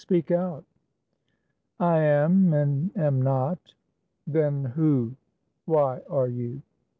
Speak out! I am, and am not. Then who, why are you?